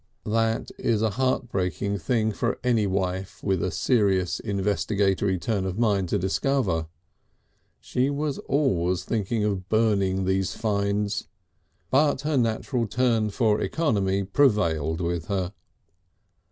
That is a heartbreaking thing for any wife with a serious investigatory turn of mind to discover. She was always thinking of burning these finds, but her natural turn for economy prevailed with her.